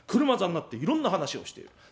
車座になっていろんな話をしている。